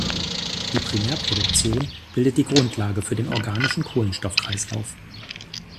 Die Primärproduktion bildet die Grundlage für den organischen Kohlenstoffkreislauf.